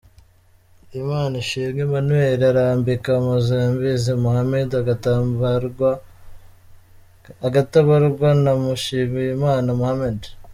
Imanishimwe Emmanuel arambika Mpozembizi Mohammed agatabarwa na Mushimiyimana Mohammed.